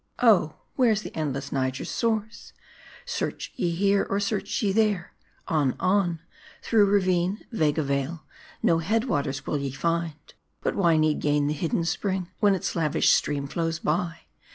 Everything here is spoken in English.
Oh ! where's the endless Niger's source ? Search ye here, or search ye there ; on r on, through ravine, vega, vale no head waters will ye find. But why need gain the hidden, spring, when its lavish stream flows by